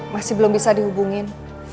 masih belum bisa dihubungin